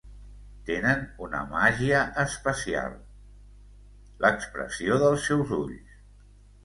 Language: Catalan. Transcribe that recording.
Tenen una màgia especial... l'expressió dels seus ulls.